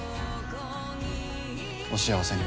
お幸せに。